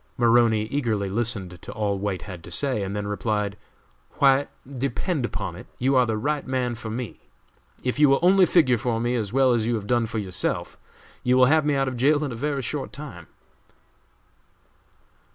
Maroney eagerly listened to all White had to say, and then replied: "White, depend upon it, you are the right man for me! If you will only figure for me as well as you have done for yourself, you will have me out of jail in a very short time."